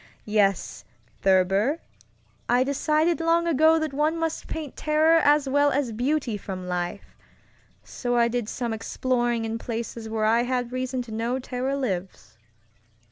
Yes, Thurber, I decided long ago that one must paint terror as well as beauty from life, so I did some exploring in places where I had reason to know terror lives.